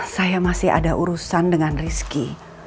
saya masih ada urusan dengan rizki